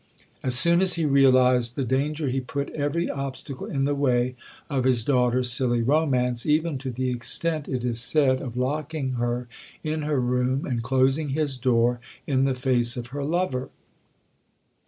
As soon as he realised the danger he put every obstacle in the way of his daughter's silly romance, even to the extent, it is said, of locking her in her room, and closing his door in the face of her lover.